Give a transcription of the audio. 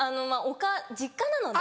実家なので。